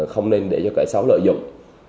không nên để cho kẻ xấu lợi dụng